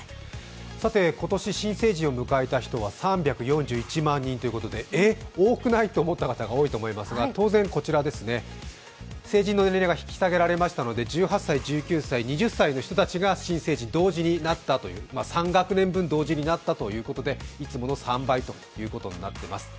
さて、今年新成人を迎えた人は３４１万人ということでえっ、多くない？と思った方が多いと思いますが、当然、成人の年齢が引き下げられまして１８歳、１９歳、２０歳の人が新成人に同時になった、３学年分、同時になったということでいつもの３倍ということになっています。